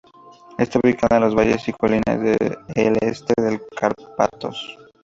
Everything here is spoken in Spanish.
Está ubicada en los valles y colinas del Este de los Cárpatos.